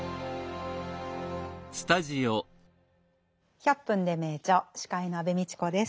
「１００分ｄｅ名著」司会の安部みちこです。